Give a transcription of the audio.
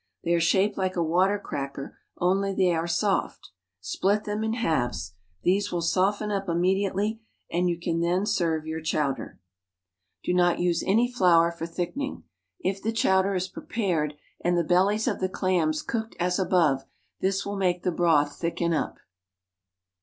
They are shaped like a water cracker only they are soft. Split them in halves. These will soften up immediately and you can then serve your chowder. THE STAG COOK BOOK Do not use any flour for thickening. If the chowder is prepared and the bellies of the clams cooked as above, this will make the broth thicken up.